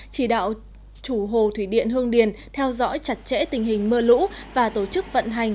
chỉ đạo chủ hồ thủy điện hương điền theo dõi chặt chẽ tình hình mưa lũ và tổ chức vận hành